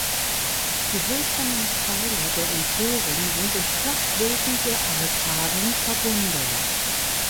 Die hölzernen Pfeiler der Emporen sind durch flachbogige Arkaden verbunden.